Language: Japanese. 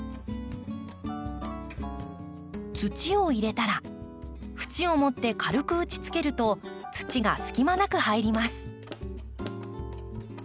土を入れたら縁を持って軽く打ちつけると土が隙間なく入ります。